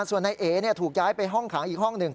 ส่วนนายเอ๋ถูกย้ายไปห้องขังอีกห้องหนึ่ง